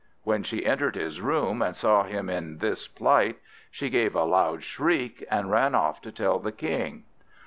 When she entered his room, and saw him in this plight, she gave a loud shriek, and ran off to tell the King.